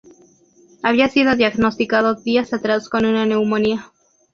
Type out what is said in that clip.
Había sido diagnosticado días atrás con una neumonía.